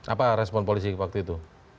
apa respon polisi waktu itu